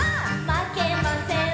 「まけません」